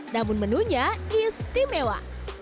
namun menunya istimewa